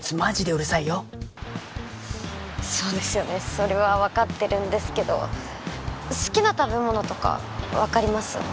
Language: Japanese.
それは分かってるんですけど好きな食べ物とか分かります？